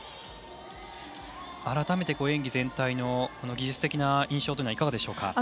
改めて演技全体の技術的な印象はいかがですか？